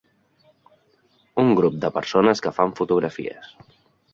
Un grup de persones que fan fotografies.